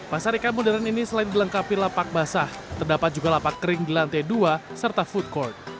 pasar ikan modern ini selain dilengkapi lapak basah terdapat juga lapak kering di lantai dua serta food court